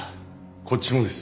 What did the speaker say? こっちもです。